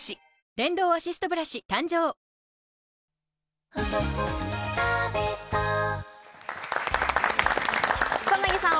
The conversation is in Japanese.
電動アシストブラシ誕生草薙さん